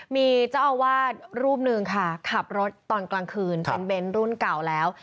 มีเจ้าอาวาสรูปหนึ่งค่ะขับรถตอนกลางคืนเป็นเน้นรุ่นเก่าแล้ว